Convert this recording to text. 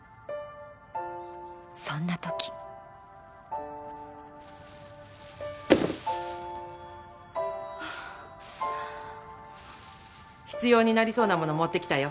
そんなとき必要になりそうなもの持ってきたよ。